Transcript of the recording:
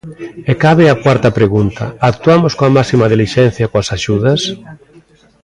E cabe a cuarta pregunta: ¿actuamos coa máxima dilixencia coas axudas?